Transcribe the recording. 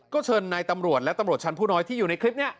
ก็เชิญนายตำรวจและตำรวจชั้นผู้น้อยที่อยู่ในคลิปนี้